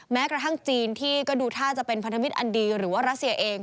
แม้กระทั่งจีนที่ก็ดูท่าจะเป็นพันธมิตรอันดีหรือว่ารัสเซียเอง